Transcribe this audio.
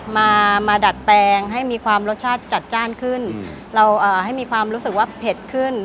มามาดัดแปลงให้มีความรสชาติจัดจ้านขึ้นเราเอ่อให้มีความรู้สึกว่าเผ็ดขึ้น